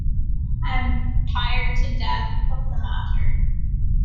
I am tired to death of the matter.